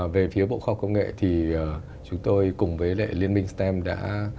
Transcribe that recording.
về phía bộ kho công nghệ thì chúng tôi cùng với lại liên minh stem đã làm rất nhiều các cái ngày hội stem